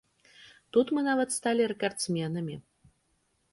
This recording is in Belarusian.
Тут мы нават сталі рэкардсменамі.